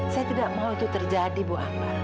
saya tidak mau itu terjadi bu akbar